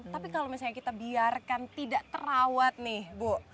tapi kalau misalnya kita biarkan tidak terawat nih bu